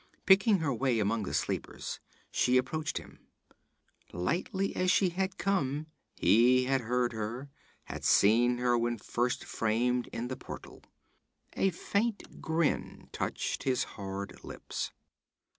Picking her way among the sleepers, she approached him. Lightly as she had come, he had heard her; had seen her when first framed in the portal. A faint grin touched his hard lips.